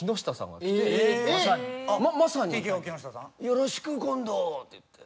「よろしく今度」って言って。